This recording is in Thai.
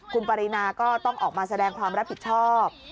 คุณปรินาก็ต้องออกมาแสดงความรับผิดชอบ